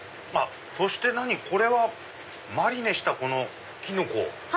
そしてこれはマリネしたキノコ。